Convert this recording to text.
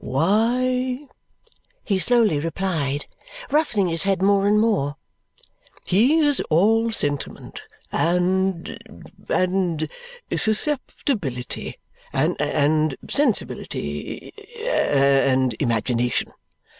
"Why," he slowly replied, roughening his head more and more, "he is all sentiment, and and susceptibility, and and sensibility, and and imagination.